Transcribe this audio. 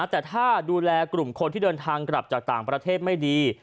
แต่ถ้าดูแลกลุ่มคนที่เดินทางกลับจากต่างประเทศไม่ดี